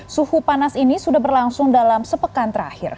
suhu panas ini sudah berlangsung dalam sepekan terakhir